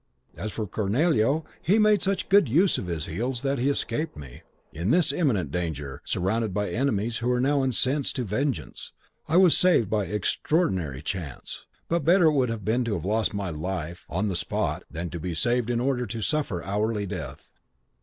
As for Cornelio, he made such good use of his heels that he escaped me. "In this imminent danger, surrounded by enemies who were now incensed to vengeance, I was saved by an extraordinary chance; but better would it have been to have lost my life on the spot than to be saved in order to suffer hourly death.